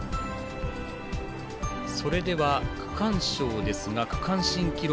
それでは、区間賞ですが区間新記録